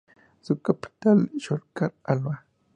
Su capital es Yoshkar-Olá.